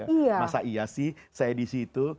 iya masa iya sih saya di sini